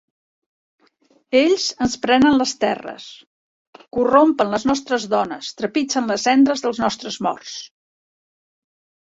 Ells ens prenen les terres; corrompen les nostres dones, trepitgen les cendres dels nostres morts!